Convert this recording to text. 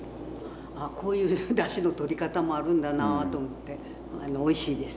あっこういうだしのとり方もあるんだなと思っておいしいです。